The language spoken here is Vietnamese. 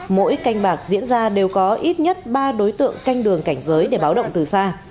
mỗi canh bạc diễn ra đều có ít nhất ba đối tượng canh đường cảnh giới để báo động từ xa